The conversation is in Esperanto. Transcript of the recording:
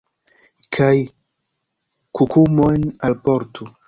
Kaj kukumojn alportu.